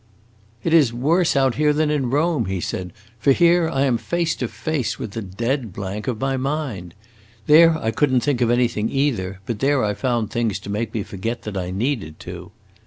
"It is worse out here than in Rome," he said, "for here I am face to face with the dead blank of my mind! There I could n't think of anything either, but there I found things to make me forget that I needed to."